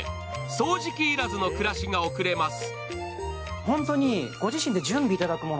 掃除機要らずの暮らしが送れます。